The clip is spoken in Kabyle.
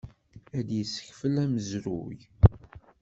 Ad yessekfel amezruy.